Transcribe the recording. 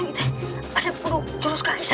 tidak ada siapa yang makanya